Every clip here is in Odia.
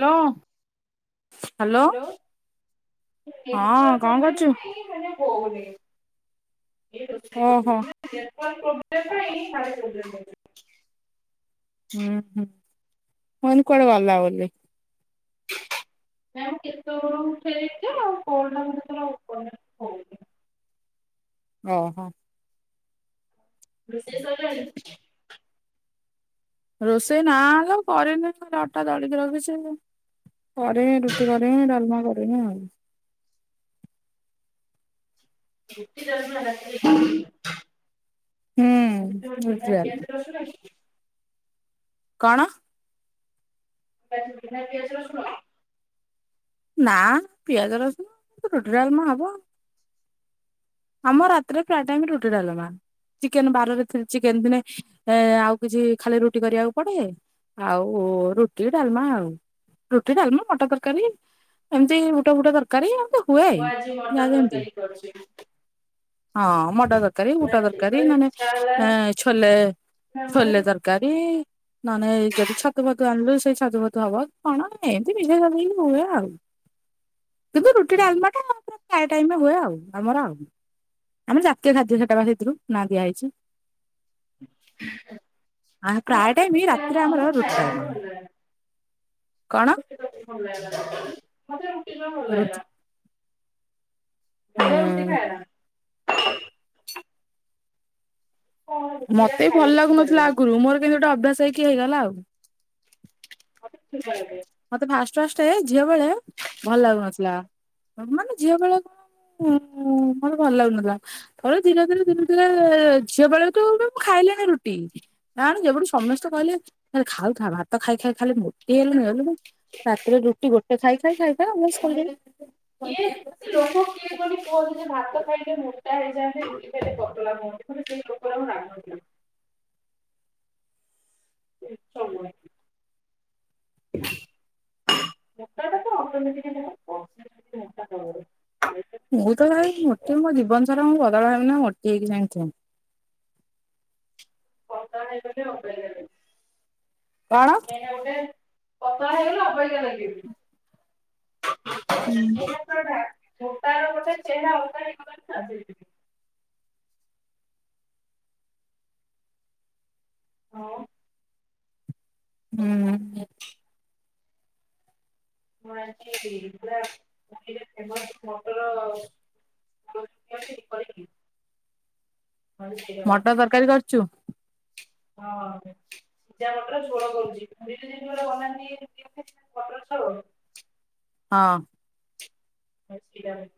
ହ୍ୟାଲୋ। ହ୍ୟାଲୋ ହଁ ନେଟୱାର୍କ କଣ ପ୍ରୋବ୍ଲେମ କରୁଛୁ ପାଇଁ ହେଲେ ହୋଉନେଇଁ ଇଏ ରୋଷେଇ [inaudible] ଓହୋ ନେଟୱର୍କ ପ୍ରୋବ୍ଲେମ୍ ପାଇଁ [unintelligible] ହୁଁ ହୁଁ ମୁଁ କଇନି କୁଆଡେ ଗଲା ବୋଲି। [unintelligible] କେତେଓଳୁ ଆଠେଇ [unintelligible] ଓହୋ। ରୋଷେଇ ସଇଲାଣି। ରୋଷେଇ ନା ଲୋ କରିନି ଅଟା ଦଳିକି ରଖିଚି। ପରେ ରୁଟି କରିବି ଡାଲମା କରିବି ଆଉ। ରୁଟି ଡାଲମା ରାତିରେ ହୁଁ ରୁଟି ଡାଲମା [unintelligible] କଣ? [unintelligible] ପିଆଜ ରସୁଣ। ନା ପିଆଜ ରସୁଣ ରୁଟି ଡାଲମା ହବ। ଆମ ରାତିରେ ପ୍ରାୟେ ଟାଇମ୍ ରୁଟି ଡାଲମା। ଚିକେନ ବାରରେ ଚିକେନ ଦିନେ ଆଉ କିଛି ଖାଲି ରୁଟି କରିବାକୁ ପଡେ। ଆଉ ରୁଟି ଡାଲମା ଆଉ ରୁଟି ଡାଲମା ମଟର ତରକାରୀ। ଏମିତି ବୁଟ ଫୁଟ ତରକାରୀ ଆଉ। ମୁଁ ଆଜି ମଟର ତରକାରୀ କରୁଛି। ହଁ ମଟର ତରକାରୀ ବୁଟ ତରକାରୀ ନାନେ ଇଚ୍ଛା ହେଲା ଛୋଲେ ନା ମାନେ ଛୋଲେ ତର କାରି ନନେ ଯଦି ଛତୁ ଫତୁ ଆଣିଲୁ ସେ ଗାଧୁଆପାଧୁଆ ହବ କଣ ଏମିତି [unintelligible] ପିନ୍ଧା ହୁଏ ଆଉ। କିନ୍ତୁ ରୁଟି ଡାଲମାଟା ପୁରା ପ୍ରାଏ ଟାଇମ୍ ରେ ହୁଏ ଆଉ ଆମର ଆଉ। ଆମର ଜାତୀୟ ଖାଦ୍ୟ ସେଟା ବା ସେଥିରୁ ନାଁ ଦିଆଯାଇଛି। ଆ ପ୍ରାୟ ଆରେ ଟାଇମ୍ ରୁଟି ଆଉ ରାତିରେ ଆମର ରୁଟି ଖାଇବାକୁ ଡାଲମା। ଭଲ ଲାଗେନା। କଣ? [inaudible] ମତେ ରୁଟି ଜମା ରୁଟି ଭଲ ଲାଗେନି। ମୁଁ ରୁଟି ହୁଁ ଖାଏନା। କଣ ରୁଟିରା ମତେ ଭଲ ଖାଇବାକୁ ଦେଲେ ଲାଗୁନଥିଲା ଆଗରୁ ମୋର କେମିତି ଗୋଟେ ଅଭ୍ୟାସ ହେଇକି ହେଇଗଲା ଆଉ। [unintelligible] ମତେ ଫାଷ୍ଟ ଫାଷ୍ଟ ଝିଅ ବେଳେ ଭଲ ଲାଗୁନଥିଲା ମାନେ ଝିଅ ବେଳେ ହୁଁ ମତେ ଭଲ ଲାଗୁନଥିଲା। ଫରେ ଧୀରେ ଧୀରେ ଧୀରେ ଧୀରେ ଝିଅ ବେଳଠୁ ମୁଁ ଖାଇଲିନି ରୁଟି। ନାଣ ଯେବେଠୁ ସମସ୍ତେ କହିଲେ ଖାଉଥା ଭାତ ଖାଇ ଖାଇ ଖାଲି ମୋଟି ହେଲୁଣୁ। ରାତିରେ ରୁଟି ଗୋଟେ ଖାଇ ଖାଇ ଖାଇକା ମୁଁ ଶୋଇଲି। କିଏ ସେ ଲୋକ କିଏ କୁହନ୍ତି କଣ ଯେ ଭାତ ଖାଇକଲେ ମୋଟା ହେଇଯାଆନ୍ତି। ରୁଟି ଖାଇଲେ ପତଳା ହୁଅନ୍ତି। ମାନେ ସେ ପତଳା କୁ ରାନ୍ଧନ୍ତି। [unintelligible] [unintelligible] ମୁଁ ତ ଭାଇ ମୋଟି ମୋ ଜୀବନ ସାରା ମୁଁ ବଦଳ ହେବି ନା ମୋଟି ହେଇକି ସେମିତି ଥିବି। ଖଟା ନାହିଁ ବୋଲି ଅବାଗିଆ ଲାଗୁଚି। କଣ? ହେଟା ଗୋଟେ ପତଳା ହେଇଗଲା ଅବାଗିଆ ଲାଗିବ। ହୁଁ। [unintelligible] ହଁ। ହୁଁ। ମୁଁ ଆଜି ବିନ୍ଦାସ ଫେମସ ମଟର [unintelligible] ହଁ। ମଟର ତରକାରୀ କରୁଛୁ। ହଁ। ସିଜା ମଟର ଝୋଳ କରୁଛି ଦିନ [unintelligible] ବନାନ୍ତି ମଟର ଝୋଳ। ହଁ। ଛିଡ଼ା ହୋଇଛି।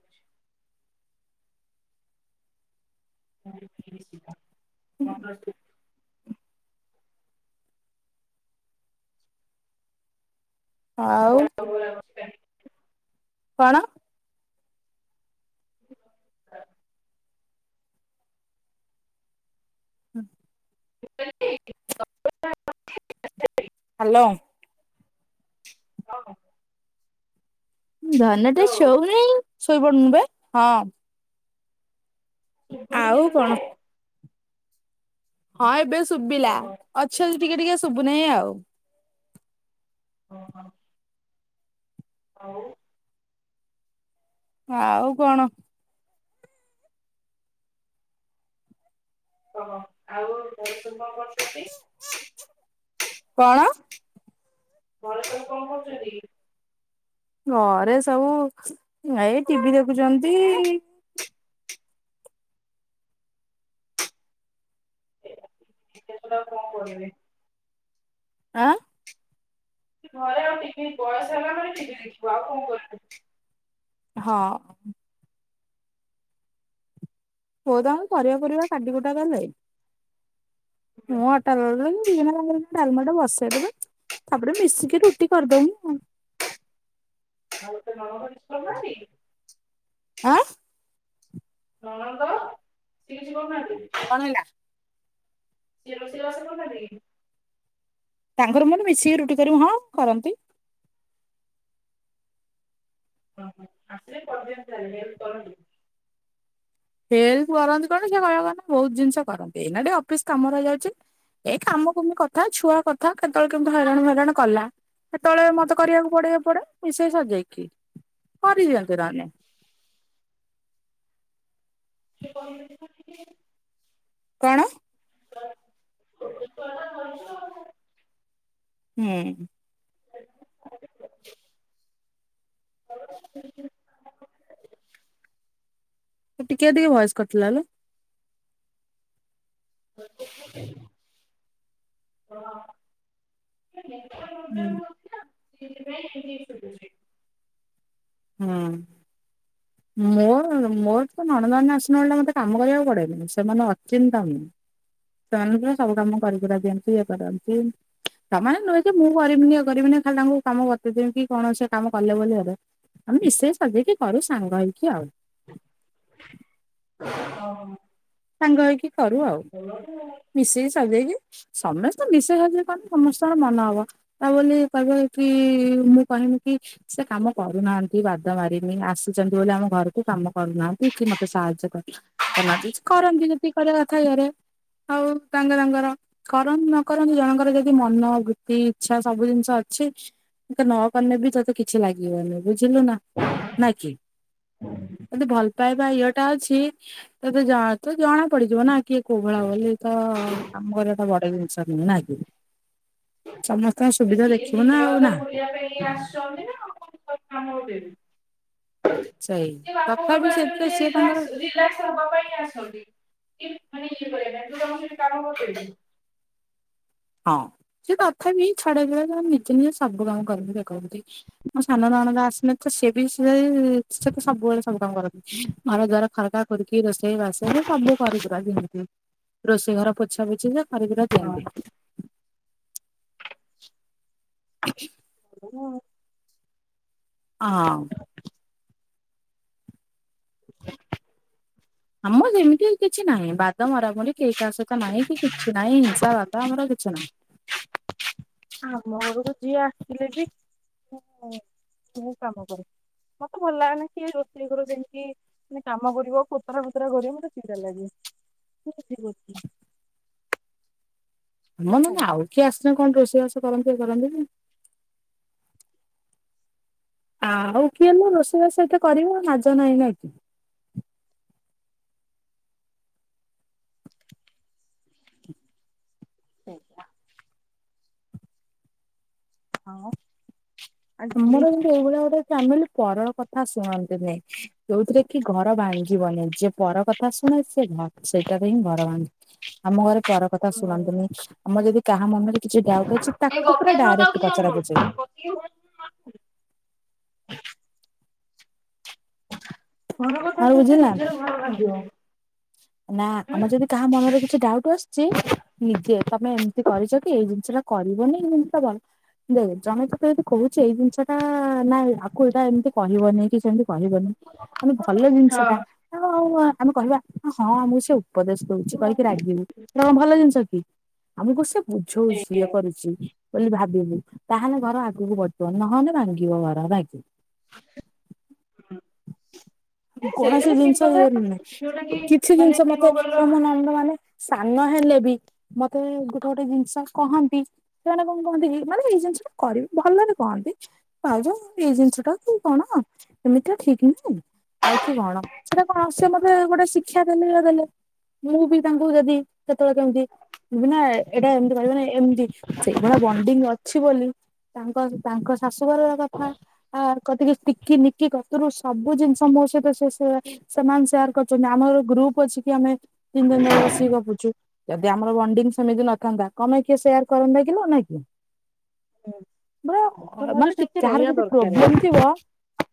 [unintelligible] ଆଉ ରୋଳା କରୁଥିଲା। କଣ? [unintelligible] ହୁଁ। [inaudible] ହାଲୋ। ଧନଟା ହ୍ୟାଲୋ ସୋଉନାହି ସୋଇପଡୁନୁ ବେ ହଁ। ଶୁୁଭୁନି କି ଆଉ କଣ ତତେ? ହଁ ଏବେ ଶୁଭିଲା ଓହୋ ଅଛି ଅଛି ଟିକେ ଟିକେ ଶୁଭୁନାହିଁ ଆଉ ଓ ହଁ। ଆଉ ଆଉ କଣ? ଓହ ଆଉ [inaudible] କଣ କରୁଛନ୍ତି? କଣ? ଘରେ ସବୁ କଣ କରୁଛନ୍ତି? ଘରେ ସବୁ ଏଇ ଟିଭି ଦେଖୁଛନ୍ତି। ଏ କେତେଶହ ଟା କଣ କରିବେ? ଆଁ। ଘରେ ଆଉ ଟିଭି ବୟସ ହେଲା ପରେ ଟିଭି ଦେଖିବୁ ଆଉ କଣ କରୁଥିବୁ? ହଁ। ହୋ ତମେ ସରିବା ପରିବା କାଟି ଗୁଟା କଲେ। ମୁଁ ଅ ଡାଲମା ବିଭିନ୍ନ ରଙ୍ଗର ଡାଲମାଟା ବସେଇଦେବି ତାପରେ ମିଶିକି ରୁଟି କରିଦଉନା। ଆଉ [inaudible] ଆଁ। ନଣନ୍ଦ ସିଏ କିଛି କରୁନାହାନ୍ତି? କଣ ହେଲା? ସିଏ ରୋଷେଇ ବାସ କରୁନାହାଁନ୍ତି କି? ତାଙ୍କର ମୋର ମିଶିକି ରୁଟି କରିବୁ ହଁ କରନ୍ତି। ଅହ ଆସିଲେ କରିଦିଅନ୍ତି ହେଲେ ହେଲ୍ପ କରନ୍ତି। ହେଲ୍ପ କରନ୍ତି କଣ ସେ କହିବା କ ନା ବହୁତ ଜିନିଷ କରନ୍ତି ଏଇନା ଟିକେ ଅଫିସ କାମ ରହିଯାଉଛି। ଏଇ କାମକୁମି କଥା ଛୁଆ କଥା କେତେବେଳେ କେମିତି ହଇରାଣ ହଇରାଣ କଲା। ସେତେବେଳେ ମତେ କରିବାକୁ ପଡେ ଏ ପଡେ ମିଶେଇ ସଜେଇକି କରିଦିଅନ୍ତି ନହେଲେ। ସେ କଣ ମିଳିଲା? କଣ? [inaudible] ହୁଁ। [inaudible] ତୁ ଟିକେ ଟିକେ ଭଏସ କଟିଲା ନା। [inaudible] ହୁଁ। [inaudible] ହଁ। ମୋର ମୋର ତ ନଣନ୍ଦମାନେ ଆସିଲେ ମତେ କାମ କରିବାକୁ ପଡେନି ସେମାନେ ଅଚିନ୍ତତନ। ନଣନ୍ଦ ସବୁ କାମ କରିକୁରା ଦିଅନ୍ତି ଇଏ କରନ୍ତି। ତାମାନେ ନୁହେଁ ଯେ ମୁଁ କରିବିନି ଇଏ କରିବିନି ଖାଲି ତାଙ୍କୁ କାମ ବତେଇ ଦେଇ କି କଣ ସେ କାମ କଲେ ବୋଲି ଭାବେ ଆମେ ମିଶେଇ ସଜେଇକି କରୁ। ସାଙ୍ଗ ହେଇକି ଆଉ ହ ସାଙ୍ଗ ହେଇକି କରୁ ଆଉ [inaudible] ମିଶେଇ ସଜେଇକି ସମସ୍ତେ ମିଶେଇ ସଜେଇକି କଲେ ସମସ୍ତଙ୍କର ମନ ହବ। ତା ବୋଲି କହିବ କି ମୁଁ କହିବି କି? ସେ କାମ କରୁନାହାନ୍ତି ବାଦ ମାରିନି ଆସିଛନ୍ତି ବୋଲି ଆମ ଘରକୁ କାମ କରୁନାହାନ୍ତି କି ମତେ ସାହାଯ୍ୟ କର କରନ୍ତି ଯଦ କରିବା କଥା ଇଆରେ ଆଉ ତାଙ୍ଗ ତାଙ୍ଗର କରନ୍ତ ନ କରନ୍ତୁ ଜଣଙ୍କର ଯଦି ମନ ବୃତ୍ତି ଇଚ୍ଛା ସବୁ ଜିନିଷ ଅଛି। ନ କଲେ ବି ତତ କିଛି କିଛି ଲାଗିବନି ବୁଝିଲୁ ନା ନ କି ଯଦି ଭଲ ପାଇବା ଇ ଟ ଅଛି ତତେ ଜ ତ ଜଣା ପଡିଯିବ ନା କିଏ କୋଉ ଭଳି ବୋଲି ତ ଆମ ଘର ବଡ଼େ ଦିନସ ନନ ଆଗି ସିଏ ଜେ ଆଉ କଥା ନା ବୁଲିବା ପାଇଁଇ ଆସିଛନ୍ତି ନା ଆଉ କଣ କାମ ଦେବି। [unintelligible] ସେଇ ସେ ତଥାପି ବାପ ସେଥିରେ ସିଏ ତାଙ୍କର ରିଲକ୍ସ ରିଲସ। ପାଇଁ ଅସ ମାନେ ଇଏ କର ସେଠି କାରମ୍ଭ କରିବ। ହଁ ସେ କଥା ବିଁ ଛଡା ମେ ନିଜେ ନିଜେ ସବୁ କାମ କରିକି ଦେଖାଉଛି। ମୋ ସାନ ନାଣ ଆସନେ ତ ସ ବି ସେ ସେ ତ ସବୁବେଳେ ସବୁ କାମ କର। ଘର ଦଵାର ଖରକା ଖରିକି ରୋଷେଇ ବାସ ସବୁ କର ପା ଯେମତି ରୋଷେଇ ଘର ପୋଛା ପୋଛି ଯେ କରିିକିରା ଦିଅନ୍ତି। [inaudible] [inaudible] ହୁଁ। ହଁ। [inaudible] [inaudible] ଆମର ସେମିତି କିଛି ନାହିଁ ବାଦ ମରାମରି କେହି କାହା ସହ ନାହିଁ। କିଛି ନାହିଁ ହିଂସା ବାଦ ଆମର କିଛି ନାହିଁ। ଆମ ଘରକୁ ଝିଏ ଆସିଥିଲେ ବି ବ କାମ କରେ। ମତେ ଭଲ ଲାଗେନି କି ରୋଷେଇ ଘୁ ଯେମି କି ମାନେ କାମ କରିବ ଆଉ ଖତରା ଫତରା କରିବା ମୋତେ ବିଯାର ଲାଗେ ଠିକ ଅଛି। [unintelligible] ଆମ ମାନେ ଆଉ କିଏ ଆସିିଲ କଣ ରୋଷେଇବାସ କରନ୍ତି କରନ୍ତି ନା ଆ ଆଉ କିଏ ହେଲ ରୋଷେଇବାସ ଏତେ କରିବ ନାଜ ନହିଁ ନା ଏଠି। [inaudible] ହଁ। ଆମର କିତି ଏଇଭଳିଆ ଗୋଟେ ଫ୍ୟାମିଲି ପରର କଥା ଶୁଣନ୍ତି ନାାଇଁ। ଯୋଉଥିରେ କି ଘର ଭାଙ୍ଗିବନି ଯ ପର କଥା ଶୁଣେ ସେ ଘ ସେଇଟାରେ ହିଁ ଘର ଭାଙ୍ଗିବ। ଆମ ଘରେ ପର କଥା। ଶୁଣନ୍ତୁନି ଆମର ଯଦି କାହା ମନରେ କିଛି ଡାଉଟ୍ ଅଛି ଏଇ ତାକୁ ପୁରା ଗପିଆ ଛଡା ତ ଆଉ ଡାଇରେକ୍ଟ କିଛି ଜାଣିନୁ ପଚାରକୁ। [inaudible] ଘର କଥା ଆଉ ଶୁଣେ ବୁଝିଲା ନିଜର ଭନ ଲାଗିବ। ନା ଆମର ଯଦି କାହା ମନରେ କିଛି ଡାଉଟ ଆସିଛି। ନିଜେ ତମେ ଏମିତି କରିଛ କି ଏଇ ଜିନିଷ ଟା କରିବନି ଏଇ ଜିନିଷ ଟା ଭଲ। ଦେଖ ଜଣେ ଯତ ଯଦି କହୁଛି ଏଇ ଜିନିଷ ଟା ନାଇଁ। ତାକୁ ଏଇଟା ଏମିତି କହିବନି କି ସେମତି କହିବନି ମାନେ ଭଲ ଜିନିଷ ହଁ ଟା। ଆଉ ଆଉ ଆମେ କହିବା ହଁ ଆମକୁ ସେ ଉପଦେଶ ଦଉଛି କହିକି ରାଗିବି କଣ ଭଲ ଜିନିଷ କି ଆମକୁ ସେ ବୁଝଉଛି ଇଏ ସେଇଆ କରୁଛି। ବୋଲି ଭାବିବି ତାହେଲେ ଘର ଆଗକୁ ବଢଟିବ ନହେଲେ ଭାଙ୍ଗିବ ଘର ବାକି [inaudible] ସେଇଟା କୌଣସି ବି ଠିକ ଜିନିଷ କଥା ଇନହି ଯୋଉଟା କି କିଛି ମାନେ ଜିନିଷ ମତେ କଣ କହିଲ କମ ନଣ୍ଡ ମାନେ ସାନ ହେଲେ ବି ମତେ ଗୋଟେ ଗୋଟେ ଜିନିଷ କହନ୍ତି ସେମାନେ କଣ କହନ୍ତି ମାନେ ଏଇ ଜିନିଷ ଟା କରିବେ ଭଲରେ କହନ୍ତି। ପାଉଛ ଏଜେନ୍ ଟା କ କଣ ଏମିତି ଠିକ ନୁହ। ଆଉ କି କଣ ସେଟା କଣ ସିଏ ମତେ ଗୋଟେ ଶିକ୍ଷା ଦେଲେ ବା ଦେଲେ। ମୁଁ ବି ତାଙ୍କୁ ଯଦି କେତେବେଳେ କେମିତି ନା ଏଇଟା ଏମିତି କହିବ ନା ଏମିତି ସେଇଭଳିଆ ବଣ୍ଡିଙ୍ଗ ଅଛି ବୋଲି। ତାଙ୍କ ତାଙ୍କ ଶାଶୁ ବରର କଥା ଆ [unintelligible] କତିରୁ ସବୁ ଜିନିଷ ମୋସ ସେ ସେମାନେ ସେୟାର କରିଛନ୍ତି ଆମର ଗ୍ରୁପ ଅଛି କି ଆମେ ତିନି ଜଣ ଜାକ ବସିକି ଗପୁଚୁ। ଯଦି ଆମର ବଣ୍ଡିଙ୍ଗ ସେମିତି ନଥାନ୍ତା କପାଇଁ କିଏ ସେୟାର କରନ୍ତାକି ନହେ ନାଇଁକି। ପ ତ ଭାଉଜ ମାନେ ଟି ସେମିତି କାହାର ରହିବା କେତେ ଦରକାର ପ୍ରୋବ୍ଲେମ ଥିବ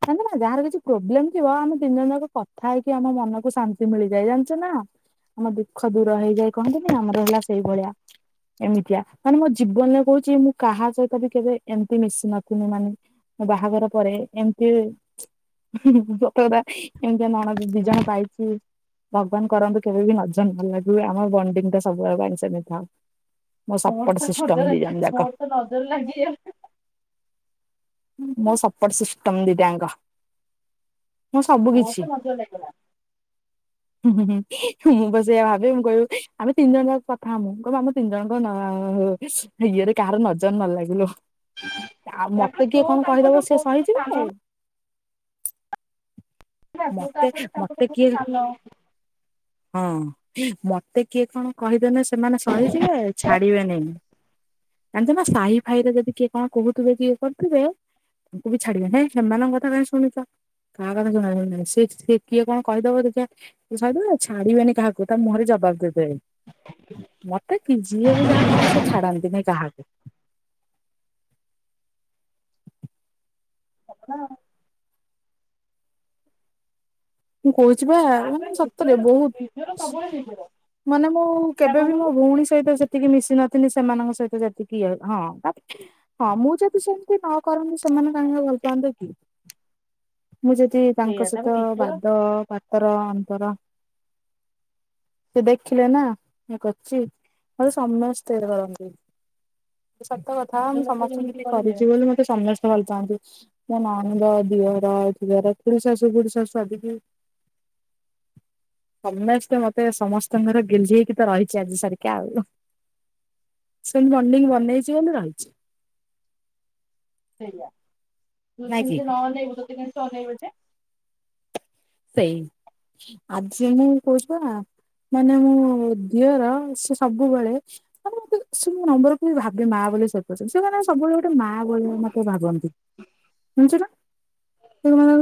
ଜାଣିଚ ନା ଯାହାର କିଛି ପ୍ରୋବଲେମଥିବ ଆମକୁ ତିନି ଜଣଯାକ କଥା ହେଇକି ଆମ ମନକୁ ଶାନ୍ତି ମିଳିଯାଏ ଜାଣିଛ ନା ଆମ ଦୁଃଖ ଦୂର ହେଇଯାଏ। କଣ କୁହନି ଆମର ହେଲା ସେଇ ଭଳିଆ। ଏମିତିଆ ମାନେ ମୋ ଜୀବନରେ କହୁଚି ମୁଁ କାହା ସହିତ ବି କେବେ ଏମିତି ମିଶି ନଥିନି ମାନେ ମୋ ବାହାଘର ପରେ ଏମିତି ସତକଥା। ଏମିତିଆ ନଣନ୍ଦ ଦିଜଣ ପାଇକି ଭଗବାନ କରନ୍ତୁ କେବେ ବି ନଜର ନ ଲାଗୁ ଆମ ବଣ୍ଡିଙ୍ଗଟା ସବୁବେଳ ପାଇଁ ସେମିତି ଥାଉ। ମୋ ମୋର ସପୋର୍ଟ ତ ସିଷ୍ଟମ ନଜର ଦି ଜଣ ଯାକ ମୋର ତ ନଜର ଲାଗିଗଲା ମୋ ସପୋର୍ଟ ସିଷ୍ଟମ ଦିଟା ଆଙ୍କ ମୁଁ ସବୁ ମୋର ତ କିଛି ନଜର ଲାଗିଗଲା [inaudible] ହୁଁଁ ହୁଁ ହୁଁ ମୁଁ ସେଇଆ ଭାବେ ମୁଁ କହିବି ଆମେ ତିନି ଜଣଜାକ କଥା ହମୁଁ ମୁଁ କହିବି ଆମ ତିନି ଜଣଜାଙ୍କ ନା ହ ଇଏରେ କାହାର ନଜରନଲାଗୁଲୋ ତାପରେ ତ କିଏ ତୋ କଣ କହିଦବ ତାଙ୍କଠୁ ସିଏ ବହୁତ ସହିଯିବେ? ସାନ ନା ତୁ ମତେ ତାପରେ ତାଙ୍କଠୁ ମତେ କିଏ ବହୁତ ସାନ ହଁ ମତେ କିଏ କଣ କହିଦେନେ ସେମାନେ ସହିଜିବେ ଛାଡିବେନେଇ ଜାଣିଛନା ସାହି ଭାଇରେ ଯଦି କିଏ କଣ କହୁଥିବେ କି ଇଏ କରୁଥିବେ ତାଙ୍କୁ ବି ଛାଡିବେନି ହେଇ ସେମାନଙ୍କ କଥା କାଇଁ ଶୁଣୁଛ କାହା କଥା ଶୁୁଣା ଶୁଣି ନାଇଁ ସେ ସେ କିଏ କଣ କହିଦବ ଦେଖିଆ ସହିଦେବେ ଛାଡିବେନି କାହାକୁ ତା ମୁହଁରେ ଜବାବ ଦେବ ବେ ମତେ କି ଯିଏ ବି ଯାହା କହେ ସେ ଛାଡନ୍ତିନି କାହାକୁ ହ ମୁଁ କହୁଛି ବା ତାପରେ ମାନେ ନିଜର ସତରେ ନିଜର ବହୁତ ସବୁବେଳେ ଯିବ [inaudible] ମାନେ ମୁଁ କେବେବି ମୋ ଭଉଣୀ ସହିତ ସେ ତିକି ମିଶି ନଥିଲି ସେମାନଙ୍କ ସହିତ ଯେତିକି ଏ ହଁ ହଁ ମୁଁ ଯଦି ସେମିତି ନ କରନ୍ତି ସେମାନେ କାହିଁକିବା ଭଲ ପାନ୍ତେ କି ମୁଁ ଯଦି ସେଇଆ ତାଙ୍କ ସହିତ ତାପରେ ନିଜର ବାଦ ପାତର ଅନ୍ତର ସେ ଦେଖିଲେ ନା ଇଏ କରଚି ମତେ ସମସ୍ତେ ଧରନ୍ତି ସତ କଥା ନିଜ ମୁଁ ଲୋକ ସମସ୍ତଙ୍କୁ ଯେମିତି ଜେତିକି କରିବେ କରିଛି ବୋଲି ମତେ ସମସ୍ତେ ଭଲ ପାଆନ୍ତି ମୋ ନଣନ୍ଦ ଦିଅର ଫିଅର ଖୁଡିଶାଶୁ ଫୁଡ଼ିଶାଶୁ ଆଦିବି ସମସ୍ତେ ମତେ ସମସ୍ତଙ୍କର ଗେହ୍ଲି ହେଇକି ତ ରହିଛି ଆଜି ସାରିକା ଆଉ ସେମିତି ବଣ୍ଡିଙ୍ଗ ବନେଇଛିି ବନେଇଛି ବୋଲି ରହିଛି ସେଇଆ ତୁ ନାଇଁ ତାଙ୍କୁ କି? ଜଦି ନନେଇବୁ ତତେ କିନ୍ତି ସେ ଅନେଇବେ ଯେ ସେଇ ଆଜି ମୁଁ କହୁଚି ପା ମାନେ ମୁଁ ଦିଅର ସେ ସବୁବେଳେ ମାନେ ମୁଁ ସେ ନମ୍ବରକୁ ବି ଭାବେ ମା ବୋଲି ସେପର୍ଯ୍ୟନ୍ତ ସେମାନେ ସବୁବେଳେ ଗୋଟେ ମା ଭଳି ମୋତେ ଭାବନ୍ତି ଶୁଣୁଛୁ ନା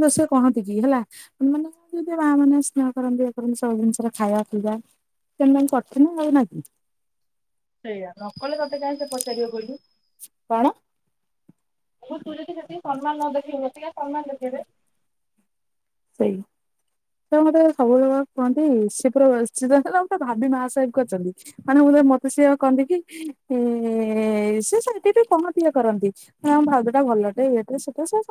ସେ [inaudible] ସିଏ କହନ୍ତି କି ହେଲା ମାନେ ଯଦି ମା ମାନେ ସ୍ନେହ କରନ୍ତି ଇଏ କରନ୍ତି ସବୁ ଜିନିଷରେ ଖାଇବା ପିଇବା ସେମାନେ କରିଥିଲେ ଆଉ ନାଁକି ସେଇଆା ନ କଲେ ତତେ କାହିଁ ସେ ପଚାରିବ କହିଲୁ କଣ? ମୁ ତୁ ସେତିକି ସମ୍ମାନ ନ ଦେଖେଇବୁ ସିଏ କିଆଁ ସମ୍ମାନ ଦେଖେଇବେ ସେଇ ସେ ମତେ ସବୁବେଳେ ବା କୁହନ୍ତି ସେ ପୁରା ଅରଜିନାଲ ପୁରା ଭାବି ମା ସେଭ କରିଛନ୍ତି। ମାନେ ମୁଁ ତ ମତେ ସିଏ କହନ୍ତିକି ଇଁ ସିଏ ସେଇଠି ବି କହନ୍ତି ଇଏ କରନ୍ତି। ହଁ ଭାଉଜ ଟା ଭଲଟେ ଇଏଟେ ସିଇଟେ